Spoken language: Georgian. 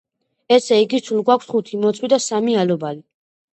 ესე იგი, სულ გვაქვს ხუთი მოცვი და სამი ალუბალი.